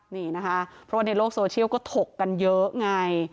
นี่นะคะเพราะว่าในโลกโซเชียลก็ถกกันเยอะไง